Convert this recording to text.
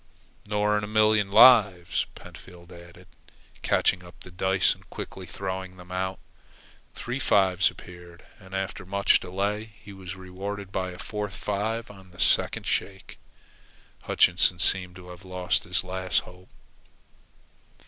"Nor in a million lives," Pentfield added, catching up the dice and quickly throwing them out. Three fives appeared, and, after much delay, he was rewarded by a fourth five on the second shake. Hutchinson seemed to have lost his last hope.